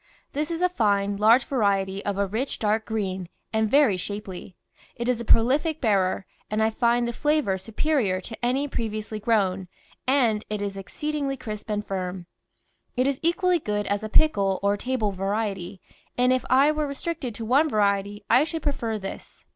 This is a fine, large variety of a rich dark green, and very shapely. It is a prolific bearer, and I find the flavour supe rior to any previously grown and it is exceeding ly crisp and firm. It is equally good as a pickle or table variety, and if I were restricted to one variety, I should prefer this.